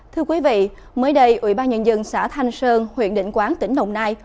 thưa quý vị mới đây ủy ban nhân dân xã thanh sơn huyện định quán tỉnh đồng nai